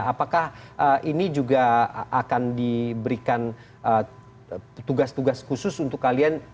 apakah ini juga akan diberikan tugas tugas khusus untuk kalian